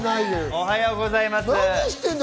おはようございます。